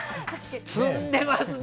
積んでますね！